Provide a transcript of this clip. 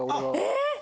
えっ！